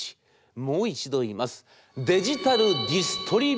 もう一度言います」。